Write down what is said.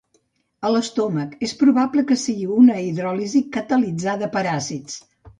A l'estómac, és probable que sigui una hidròlisi catalitzada per àcids.